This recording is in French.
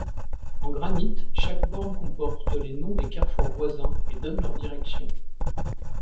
En granit, chaque borne comporte les noms des carrefours voisins et donne leurs directions.